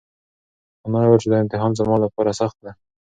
انا وویل چې دا امتحان زما لپاره سخته ده.